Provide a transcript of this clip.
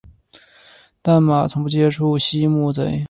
但马从不接触溪木贼。